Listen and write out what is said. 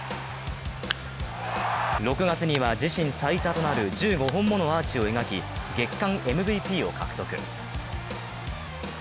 ６月には自身最多となる１５本ものアーチを描き、月間ＭＶＰを獲得。